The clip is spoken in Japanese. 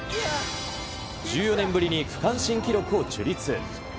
１４年ぶりに区間新記録を樹立。